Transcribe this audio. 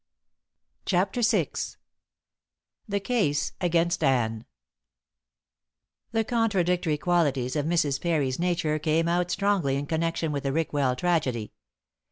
CHAPTER VI THE CASE AGAINST ANNE The contradictory qualities of Mrs. Parry's nature came out strongly in connection with the Rickwell tragedy.